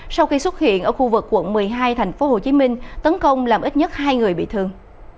sau khi xuất hiện ở khu vực quận một mươi hai tp hcm tấn công làm ít nhất hai người bị thương